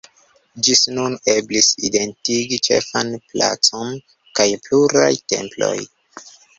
Ĝis nun eblis identigi ĉefan placon kaj pluraj temploj.